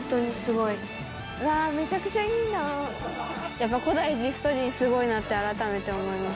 やっぱ古代エジプト人すごいなって改めて思います。